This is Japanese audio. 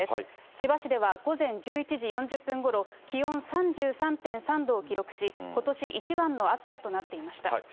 千葉市では午前１１時４０分ごろ、気温３３．３度を記録し、ことし一番の暑さとなっていました。